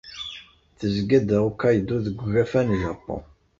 Tezga-d Hokkaido deg ugafa n Japun.